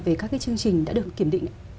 về các chương trình đã được kiểm định